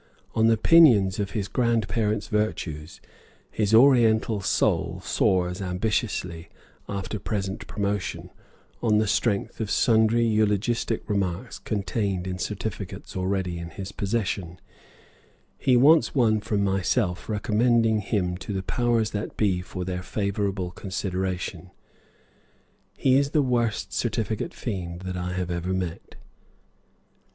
On the pinions of his grandparents' virtues, his Oriental soul soars ambitiously after present promotion; on the strength of sundry eulogistic remarks contained in certificates already in his possession, he wants one from myself recommending him to the powers that be for their favorable consideration. He is the worst "certificate fiend" that I have met.